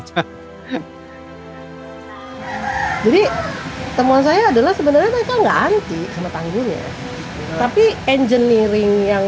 jadi temuan saya adalah sebenarnya mereka nggak anti sama tanggulnya tapi engineering yang